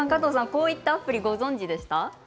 こういったアプリはご存じでしたか？